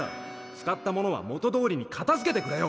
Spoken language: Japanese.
使ったものは元どおりに片づけてくれよ！